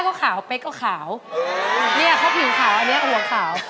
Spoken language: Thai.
ออกมาพิตาร์สว่างเลย